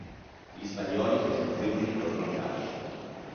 Gli spagnoli fecero quindi ritorno a Cadice.